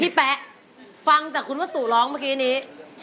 พี่แป๊ะฟังแต่คุณว่าสู่ร้องเมื่อกี้นี้